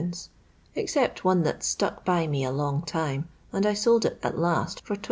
except one that stuck by me a long time, and I sold it at last for 20d.